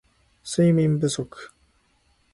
睡眠不足